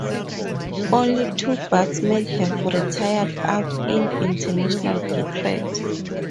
Only two batsmen have retired out in international cricket.